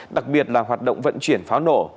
đặc biệt là hoạt động vận chuyển pháo nổ